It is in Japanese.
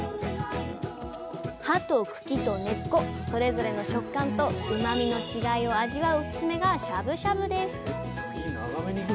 葉と茎と根っこそれぞれの食感とうまみの違いを味わうオススメがしゃぶしゃぶです。